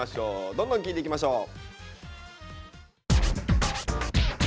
どんどん聞いていきましょう。